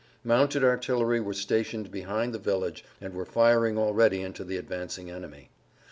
Mounted artillery were stationed behind the village and were firing already into the advancing enemy.